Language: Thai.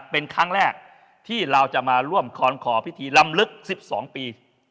เป็นครั้งแรกที่เราจะมาร่วมคอนขอพิธีลำลึก๑๒ปี